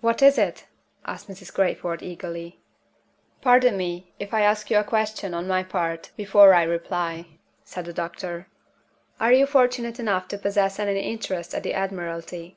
"What is it?" asked Mrs. Crayford, eagerly. "Pardon me if I ask you a question, on my part, before I reply," said the doctor. "Are you fortunate enough to possess any interest at the Admiralty?"